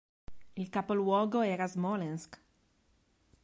Il capoluogo era Smolensk.